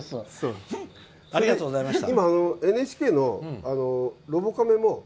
ＮＨＫのロボカメも。